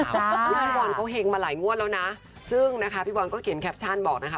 คือพี่บอลเขาเฮงมาหลายงวดแล้วนะซึ่งนะคะพี่บอลก็เขียนแคปชั่นบอกนะคะ